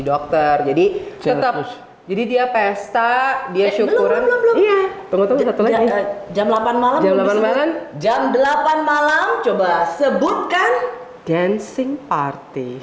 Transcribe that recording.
dokter jadi tetap jadi dia pesta dia syukur tunggu jam delapan malam jam delapan malam coba sebutkan dancing party